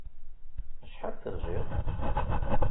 Acḥal terjiḍ?